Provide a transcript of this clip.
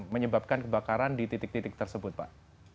menyebabkan kebakaran di titik titik tersebut pak